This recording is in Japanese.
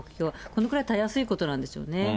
このくらい、たやすいことなんですよね。